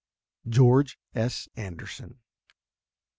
_George S. Anderson.